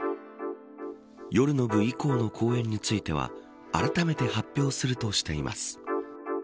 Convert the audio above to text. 夜の部以降の公演についてはあらためて発表するとしています。